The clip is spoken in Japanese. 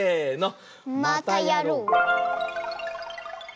またやろう！